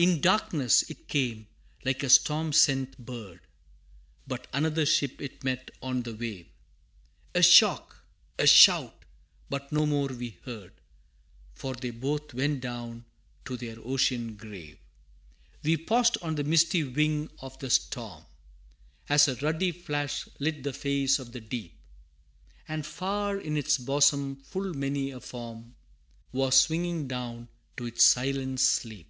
In darkness it came, like a storm sent bird, But another ship it met on the wave: A shock a shout but no more we heard, For they both went down to their ocean grave! We paused on the misty wing of the storm, As a ruddy flash lit the face of the deep, And far in its bosom full many a form Was swinging down to its silent sleep.